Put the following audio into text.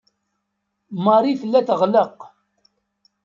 Marie tella teɣleq.